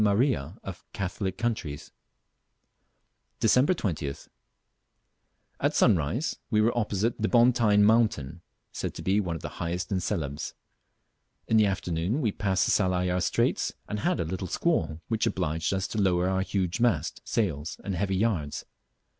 Maria" of Catholic countries. Dec. 20th. At sunrise we were opposite the Bontyne mountain, said to be one of the highest in Celebes. In the afternoon we passed the Salayer Straits and had a little squall, which obliged us to lower our huge mast, sails, and heavy yards.